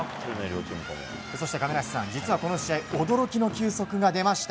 そして亀梨さん、実はこの試合驚きの球速が出ました。